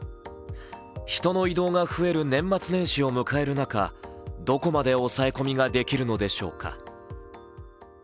人の移動が増える年末年始を迎える中、どこまで押さえ込みができるのでしょう。